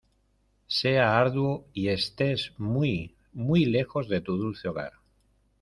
Sea arduo y estés muy, muy lejos de tu dulce hogar...